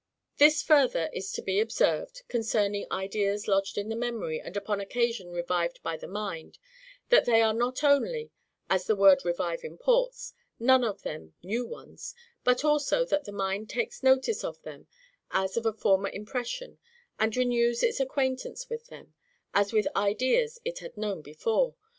This further is to be observed, concerning ideas lodged in the memory, and upon occasion revived by the mind, that they are not only (as the word REVIVE imports) none of them new ones, but also that the mind takes notice of them as of a former impression, and renews its acquaintance with them, as with ideas it had known before.